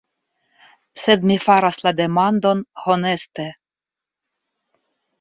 Sed mi faras la demandon honeste.